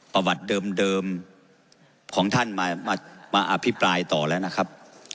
ประวัติเดิมของท่านมาอภิปรายต่อแล้วนะครับ